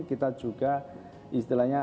kita juga istilahnya